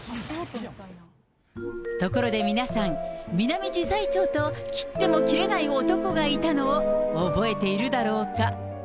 ところで皆さん、ミナミジサイチョウと切っても切れない男がいたのを覚えているだろうか。